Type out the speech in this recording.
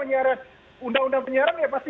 penyiaran undang undang penyiaran ya pasti